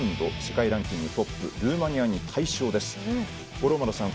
五郎丸さん